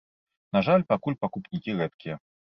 На жаль, пакуль пакупнікі рэдкія.